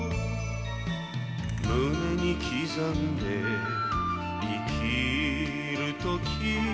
「胸に刻んで生きるとき」